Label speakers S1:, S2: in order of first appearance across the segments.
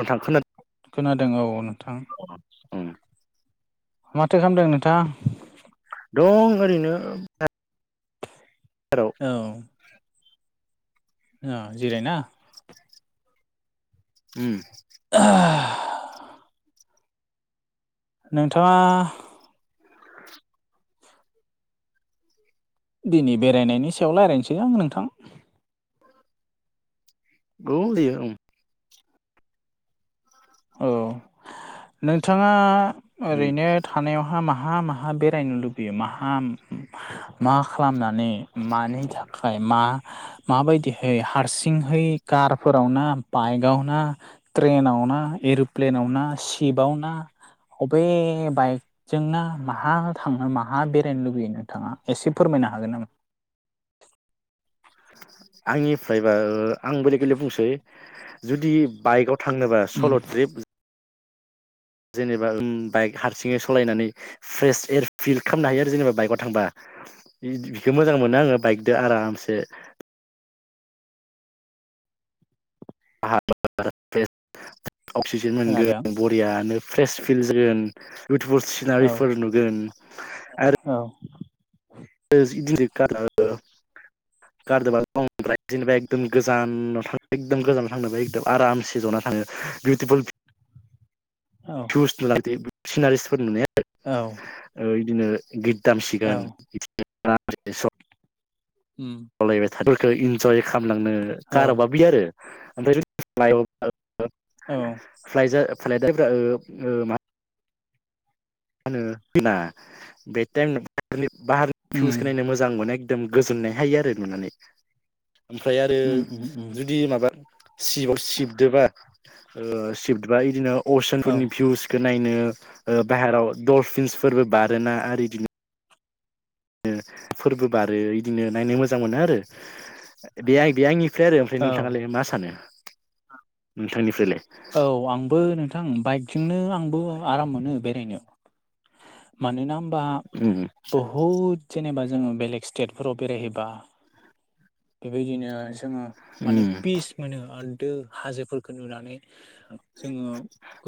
S1: जों थांखोननानै
S2: खोनादों औ नोंथां
S1: उम
S2: माथो खालामदों नोंथां
S1: दं ओरैनो हराव
S2: औ अ जिरायना
S1: उम
S2: [unintelligible] नोंथाङा
S1: [inaudible]
S2: दिनै बेरायनायनि सायाव रायज्लायनोसै आं नोंथां
S1: गौ दैयो ओं
S2: औ नोंथाङा ओरैनो थानायावहा मा माहा माहा बेरायनो लुबैयो माहा मा खालामनानै मानि थाखायाय मा माबायदिहै हारसिंहै कारफोराव नो बाइकआव नो ट्रेनाव ना एर'प्लेनाव ना सिपआव ना बबे बाइक जोंना माहा थाङो माहा बेरायनो लुबैनो थाङा एसे फोरमायनो हागोन नामा
S1: आंनिफ्रायबा आं बेलेग बेलेग बुंसै जुदि बाइकआव थाङनोबा
S2: उम
S1: सल' ट्रिप जेनेबा बाइक हारसिङै सालायनानै फ्रेस एयार फिल खालामनो हायो आरो जेनेबा बाइकआव थांबा बिखो मोजां मोनो आङो बाइकजों आरामसे अक्सिजेन
S2: खोनादों
S1: मोनगोन आरयानो फ्रेस फिल जागोन बिउटिफुल
S2: औ
S1: सिनारिफोर नुगोन
S2: औ
S1: [unintelligible] गारदोबा दंदाय जेनेबा एकदम गोजानाव थाङ एकदम गोजानाव थांनोब एकदम आरामसे जना थाङो बिउटिफुल
S2: औ
S1: जुस नु लादो सिनारिसफोर नुनाय आरो
S2: औ
S1: बिदिनो गित
S2: औ
S1: दामसिगोन
S2: उम
S1: [unintelligible] थाफोरखौ इन्जय खालामलांनो
S2: औ
S1: गारोबा बि आरो ओमफ्राय [unintelligible]
S2: औ
S1: फ्लायजा फ्लायदाफोरा ओ ओ मा मा बे टाइम बारनि
S2: उम
S1: भिउसखौ नायनो मोजां मोनो एकदम गोजोननाय हायो आरो नुनानै ओमफ्राय आरो
S2: उम उम उम
S1: जुदि माबा सिव सिबदोबा सिबदोबा बिदिनो अशन
S2: औ
S1: फोरनि भिउस नायनो बाहेराव ल्फिनसफोरबो बारोना आरो बिदिनो फोरबो बारो इदिनो नायनो मोजां मोनो आरो बे आ बे आंनि ओमफ्राय आरो ओमफ्राय
S2: औ
S1: नोंथाङालाय मा सानो नोंथांनिफ्रायलाय
S2: औ आंबो नोंथां बाइकजोंनो आंबो आराम मोनो बेरायनो मानोना होमबा
S1: उम
S2: बहु बहुद जेनेबा जोङो बेलेग स्टेटफोराव बेरायहैबा बेबायदिनो जोङो माने
S1: उम
S2: पिस मोनो आरो दो हाजोफोरखौ नुनानै जोङो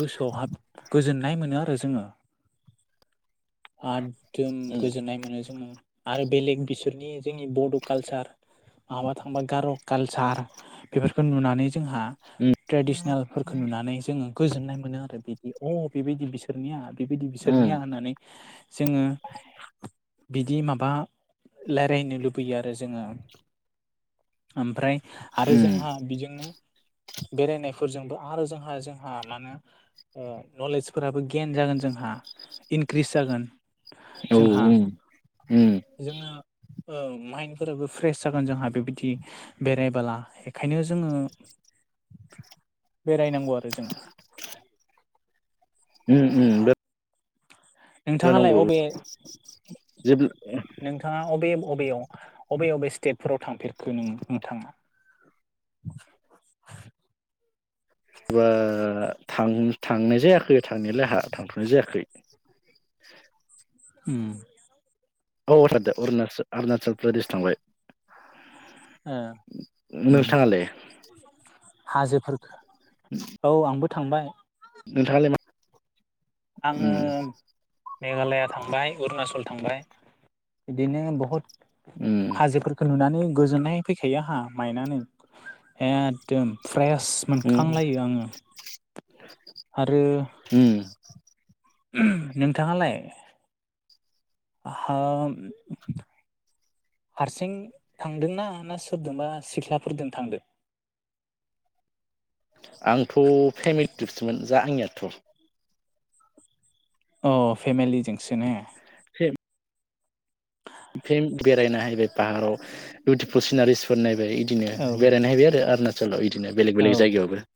S2: गोसोआव हाब गोजोननाय मोनो आरो जोङो आ दम गोजोननाय मोनो जोङो आरो बेलेग बिसोरनि जोंनि बड' कालचार माबा थांबा गार' कालसार बेफोरखौ नुनानै जोंहा ट्रेडिसनेलफोरखौ नुनानै जोङो गोजोननाय मोनो आरो बिदि अ बेबायदि बिसोरनिया बेबायदि
S1: उम
S2: बिसोरनिया होननानै जोङो बिदि माबा रायज्लायनो लुबैयो आरो जोङो। ओमफ्राय आरो
S1: उम
S2: जोंहा बेजोंनो बेरायनायफोरजोंबो आरो जोंहा जोंहा मा होनो नलेजफोराबो गियान जागोन जोंहा। ग्रिस जागोन
S1: औ
S2: जोंहा
S1: उम उम
S2: जोङो माइन्डफोराबो फ्रेस जागोन जोंहा बेबायदि बेरायबोला बेखायनो जोङो बेरायनांगौ आरो जोङो
S1: [inaudible] उम उम
S2: नोंथाङालाय
S1: जानांगौ
S2: अबे
S1: जेब्ला
S2: नोंथांङा अबे-अबेयाव बबे बबे स्टेटफोराव थांफेरखो नों नोंथांङा?
S1: बा थां थांनाय जायाखै थांनायालाय थांथ'नाय जायाखै।
S2: ओम
S1: औ औ थांदों अरुणल-अरुनाचल प्रदेश थांबाय।
S2: ओम
S1: नोंथाङालाय
S2: हाजोफोर औ आंबो थांबाय।
S1: नोंथाङालाय मा
S2: आङो
S1: उम
S2: मेघालया थांबाय अरुनाचल थांबाय बिदिनो बहुद
S1: ओम
S2: हाजोफोरखौ नुनानै गोजोननाय फैखायो आंहा मायनआनो एखदम फ्रेस।
S1: उम
S2: मोनखांलायो आङो।
S1: [inaudible]
S2: आरो
S1: उम
S2: नोंथाङालाय? हाम हारसिं थांदोंना ना सोरजोंबा सिख्लाफोरजों थांदों?
S1: आंथ' फेमिलि ट्रिपसोमोन आंनियाथ'।
S2: अ फेमेलिजोंसो ने।
S1: फिन बेरायनाय पाहाराव बिउटिफुल सिनारिसफोर नायबाय। बिदिनो
S2: औ
S1: बेरायनो हैैबाय आरो अरुनाचलाव बिदिनो बेलेग
S2: औ ओ
S1: बेलेग जायगायावबो।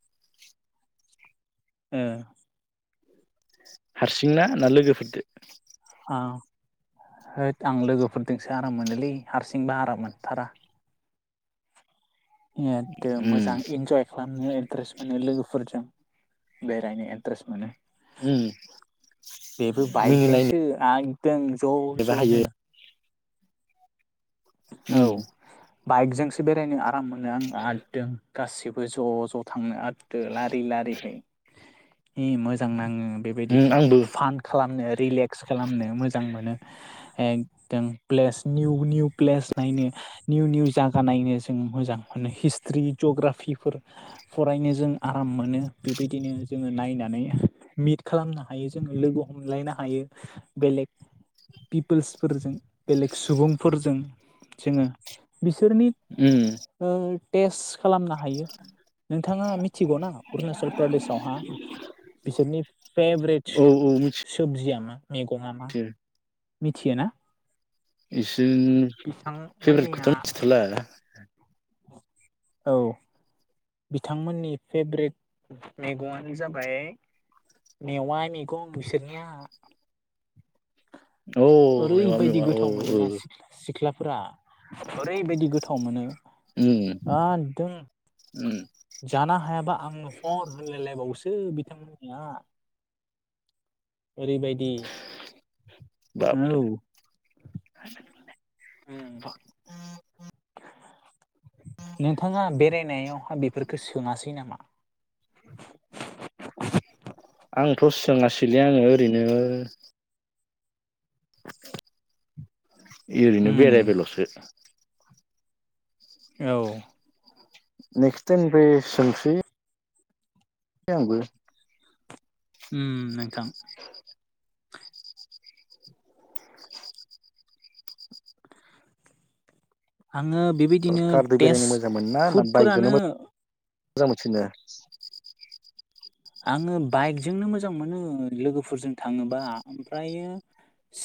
S2: ओ
S1: हारसिंना ना लोगोफोरजों
S2: ओ होद आं लोगोफोरजोंसो आराम मोनोलै हारसिंबा आराम मोनथारा। इखदम मोजां
S1: उम
S2: इनजय खालामनो। इनतारेस्ट मोनो लोगोफोरजों बेरायनो इनतारेस्ट मोनो ‌।
S1: उम
S2: बेबो बाइकजोंसो
S1: मिनिलायनोबो
S2: एकदम
S1: हायो
S2: ज'-ज'नो। औ
S1: उम
S2: बाइकजोंसो बेरायनो आराम मोनो आं ‌आरदों गासिबो ज', ज' थांनो आदो लारि लारिहै जि मोजां नाङो।
S1: उम
S2: बेबायदिहाय
S1: आंबो
S2: फान खालामनो रिलेक्स खालामनो मोजां मोनो एकदम प्लेस निउ, निउ प्लेस नायनो निउ निउ जागा नायनो जों मोजां मोनो ‌हिस्ट्रि जग्राफिफोर फरायनो जों आराम मोनो बेबायदिनो जोङो नायनानै मिट खालामनो हायो जोंङो लोगो हमलायनो हायो बेलेग पिपोल्सफोरजों बेलेग सुबुंफोरजों। जोङो बिसोरनि
S1: उम।
S2: ओ टेस्ट खालामना हायो। नोंथांङा मिथिगौ ना? अरुनाचल प्रदेशआवहा बिसोरनि फ्रेभेट
S1: औ औ मिथियो
S2: सबजिया मा मैगंना मा? मिथियो ना?
S1: इसे [unintelligible]
S2: बिथांमोननिया
S1: फेभ्रेटखौथ' मिथिथ'ला।
S2: औ। बिथांमोननि फेभ्रेट मैगङआनो जाबाय मेवा मैगं, बिसोरनिया
S1: अ मेवा
S2: ओरैबायदि
S1: मेवा औ
S2: गोथाव
S1: औ
S2: मोनोना, सिख्ला सिख्लाफोरा ओरैबायदि गोथाव मोनो।
S1: उम
S2: एकदम
S1: [unintelligible]
S2: जानो हायाबा आंनो हर होनलायलायबावोसो बिथांमोननिया। ओरैबायदि। [inaudible]
S1: बाबरे
S2: औव। [unintelligible] नोंथाङा बेरायनायावहााय बेफोरफोरखौ सोङासै नामा?
S1: आंथ' सोङासैलै आंङो ओरैनो ओरैनो
S2: उम
S1: बेरायबाइल'सो।
S2: औ।
S1: नेक्सताइम रसे [unintelligible] [unintelligible]
S2: [unintelligible] नोंथां।
S1: [inaudible]
S2: आङो बेबायदिनो
S1: कारजों
S2: टेस्ट
S1: बेरायनो मोजां मोन ना? ना
S2: फुडफोरानो
S1: बाइकजोंनो मोजां मोनसिैनो?
S2: आंङो बाइकजोंनो मोजां मोनो लोगोफोरजों थांङोबा। ओमफ्रायो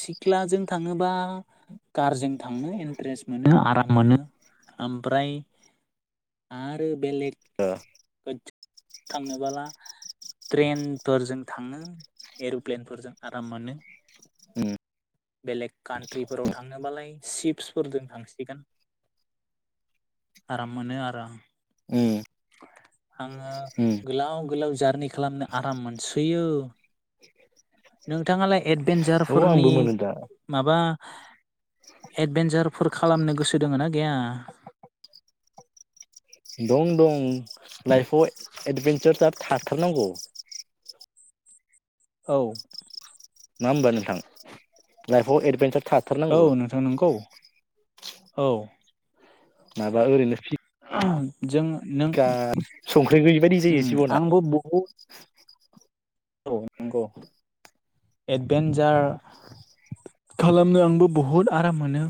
S2: सिख्लाजों थांङोबा कारजों थांनो इनट्रेस्ट मोनो आराम मोनो। ओमफ्राय आरो बेलेग
S1: ओ
S2: [inaudible] थांनोबोला ट्रेनफोरजों थांङो। एर'प्लेनफोरजों आराम मोनो।
S1: उम
S2: बेलेग कानन्ट्रिफोराव थांनोबालाय सिशपसफोरजों थांसिगोन। आराम मोनो आरो आं।
S1: उम।
S2: आंङो
S1: उम
S2: गोलाव-गोलाव जारनि खालामनो आराम मोनसोयो। नोंथांङालाय
S1: औ आंबो
S2: एडभेनजारफोरनि
S1: मोनो दा
S2: माबा एडभेन्सारफोर खालामनो गोसो दोङ ना गैया?
S1: दं दं लाइफआव एडभन्सारा थाथारनांगौ।
S2: औ।
S1: मा होमबा नोंथां लाइफआव एदभेन्सार
S2: औ नोंथां नंगौ। औ।
S1: माबा ओरैनो
S2: जों नों
S1: फिखार संख्रि गैयि बायदि जायो जिबना
S2: आंबो बहुद औ नंगौ एडभेन्सार खालामनो आंबो बहुत आराम मोनो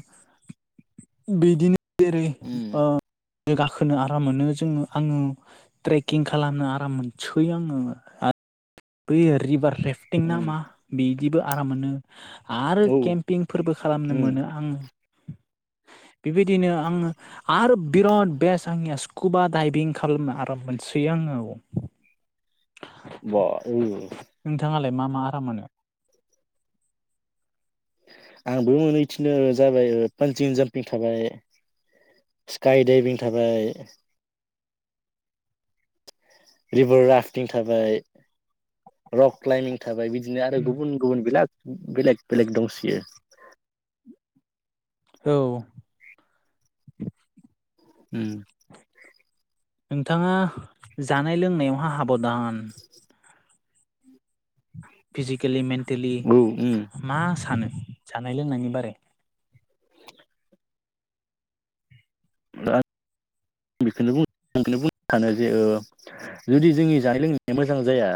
S2: बिदिनो जेरै
S1: उम
S2: गाखोनो आराम मोनो जोङो आङो ट्रेकिं खालामनो आराम मोनसै आङो। बै रिभार रेफटिं ना
S1: उम
S2: मा बिदिबो आराम मोनो। आरो
S1: औ
S2: केम्पिंफोरबो खालामनो
S1: उम
S2: मोनो आं।
S1: [inaudible]
S2: बेबायदिनो आङो आरो बिराद बेस्ट आंनिया स्कुबा दाइभिं खालामनो आराम मोनसै आङो
S1: बा उम
S2: नोंथाङालाय मा मा आराम मोनो
S1: आंबो मोनहैथिनो जाबाय पानजं जाम्पिं थाबाय स्काइ दडाइभिं थाबाय रिभार राफटिं थाबाय रक क्लाइमबिं थाबाय बिदिनो आरो गुबुन गुबुन बेलग बेलेग बेलेग दंसयो
S2: औ
S1: उम
S2: नोंथाङा जानाय लोंनायावहा हाबदान फिजिकेलि मेन्टेलि
S1: औ उम
S2: मा सानो जानाय लोंनायनि बारै
S1: बेखौनो आंखौनो बुंनो सानो जे जुदि जोंनि जानाय लोंनाया मोजां जाया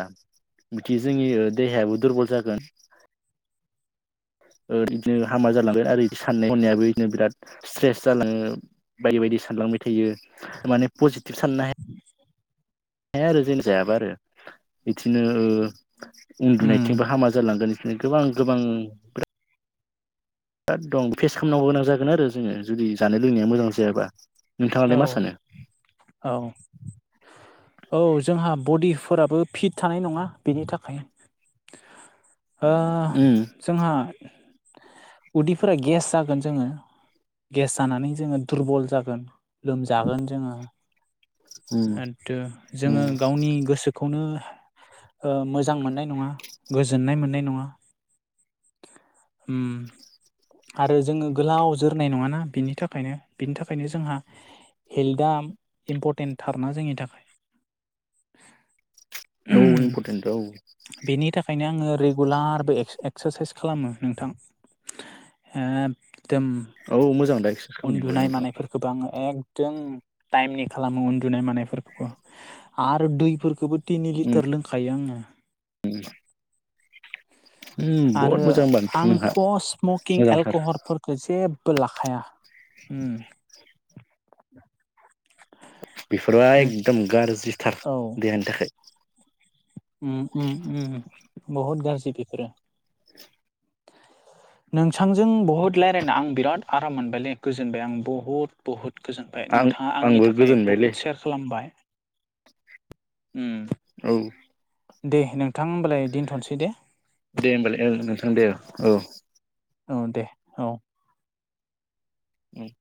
S1: बिदि जोंनि देहायाबो दुरबल जागोन बिदिनो हामा जालांगोन आरो बिदि साननाय हनायाबो बिदिनो बिराद स्ट्रेस जालाङो बायदि बायदि सानलांबाय थायो माने पजिटिभ साननो हाया हाया आरो जों जायाबा आरो बिदिनो
S2: उम
S1: उन्दुनायथिंबो हामा जालांगोन गोबां गोबां दक दम फेस खालामनांगौ गोनां जागोन आरो जोङो जुदि जानाय लोंनाया मोजां जायाबा
S2: औ
S1: नोंथाङालाय मा सानो
S2: औ औ जोंहा बडिफोराबो फिट थानाय नङा बेनि थाखाय
S1: [inaudible]
S2: ओ
S1: उम
S2: जोंहा उदैफोरा गेस जागोन जोङो गेस जानानै जोङो दुरबल जागोन लोमजागोन जोङो
S1: उम
S2: आरो जोङो
S1: उम
S2: गावनि गोसोखौ खौनो मोजां मोननाय नङा गोजोननाय मोननाय नङा आरो जोङो गोलाव जोरनाय नङाना बेनि थाखायनो बिनि थाखायनो जोंहा हेल्थआ इम्परटेन्टथारनाा जोंनि थाखाय [inaudible]
S1: औ इमपर्टेन्ट औ
S2: बेनि थाखायनो आङो रेगुलारबो एक्सारसाइस खालामो नोंथां एदिम
S1: औ मोजां दाय
S2: उन्दुनाय मानायफोरखौबो आङो एकदम टाइमनि खालामो उन्दुनाय मानायफोरखौ आरो दैफोरखौबो तिनि लिटार लोंखायो आङो
S1: उम उम बहुत
S2: आरो
S1: मोजां होमबा नोंथां नोंहा
S2: आंथ' स्मकिं
S1: मोजांथार
S2: एलकहलफोर जेबो लाखाया
S1: बेफोरो
S2: नों
S1: एकदम गाज्रिथार
S2: औ
S1: जेनि थाखाय
S2: बहुत गाज्रि बेफोरो नोंसांजों बहुद रायजलायना आं बिराद आराम मोनबायलै गोजोनबाय आं बहुद बहुद गोजोनबाय
S1: आं
S2: नोंथाङा आंनि
S1: आंबो
S2: थाखाय
S1: गोजोनबायलै
S2: बहुद सेयार खालामबाय
S1: औ
S2: दे नोंथां होमबालाय दोनथ'नोसै दे
S1: दे होमबालाय नोंथां दे औ
S2: औ दे औ
S1: उम-'